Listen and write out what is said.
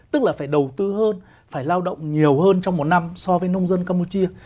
tức là phải đầu tư hơn phải lao động nhiều hơn trong một năm so với nông dân campuchia